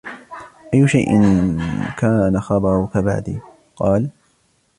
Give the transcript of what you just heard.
أَيُّ شَيْءٍ كَانَ خَبَرُك بَعْدِي ؟ قَالَ